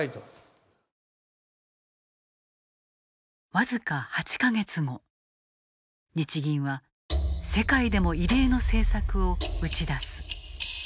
僅か８か月後日銀は世界でも異例の政策を打ち出す。